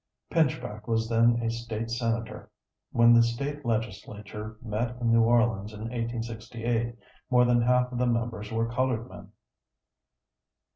Pinchback was then a State senator. When the State legislature met in New Orleans in 1868, more than half of the members were colored men.